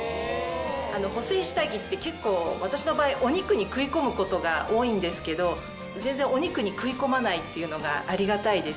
補整下着って結構私の場合お肉に食い込むことが多いんですけど全然お肉に食い込まないっていうのがありがたいです。